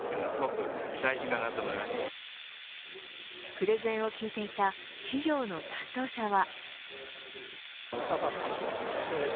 プレゼンを聞いていた企業の担当者は。